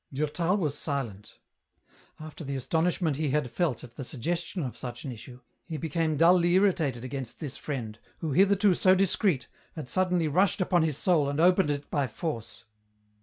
Durtal was silent. After the astonishment he had fek at the suggestion of such an issue, he became dully irritated against this friend, who hitherto so discreet, had suddenly rushed upon his soul and opened it by force.